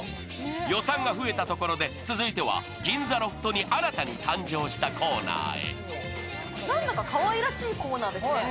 予算が増えたところで、続いては銀座ロフトに新たに誕生したコーナーへ。